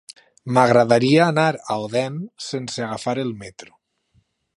M'agradaria anar a Odèn sense agafar el metro.